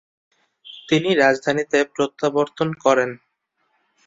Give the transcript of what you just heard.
তিনি রাজধানীতে প্রত্যাবর্তন করেন।